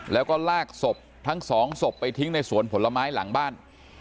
แล้วก็ลากศพทั้งสองศพไปทิ้งในสวนผลไม้หลังบ้าน